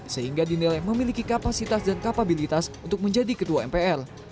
sehingga dinilai memiliki kapasitas dan kapabilitas untuk menjadi ketua mpr